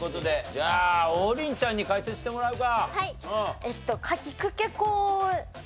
じゃあ王林ちゃんに解説してもらうか。